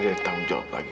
kak fadil toby